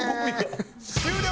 終了！